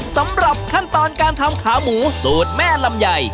สำหรับขั้นตอนการทำขาหมูสูตรแม่ลำไย